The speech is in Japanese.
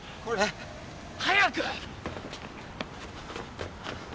これ。早く！